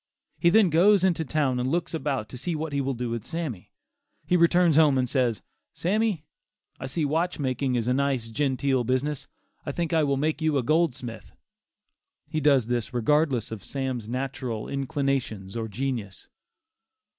He then goes into town and looks about to see what he will do with Sammy. He returns home and says "Sammy, I see watch making is a nice, genteel business; I think I will make you a goldsmith." He does this regardless of Sam's natural inclinations, or genius.